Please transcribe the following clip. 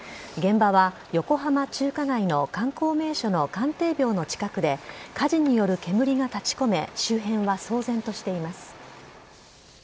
現場は横浜中華街の観光名所の関帝廟の近くで火事による煙が立ち込め周辺は騒然としています。